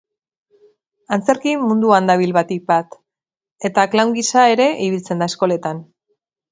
Antzerki munduan dabil batik bat, eta clown gisa ere ibiltzen da eskoletan.